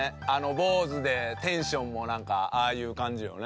坊主でテンションもなんかああいう感じよね。